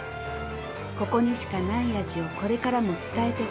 「ここにしかない味をこれからも伝えてほしい」。